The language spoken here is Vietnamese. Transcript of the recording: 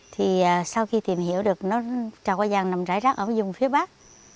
thì sau khi tìm hiểu được trào hoa vàng nằm rải rác ở vùng phía bắc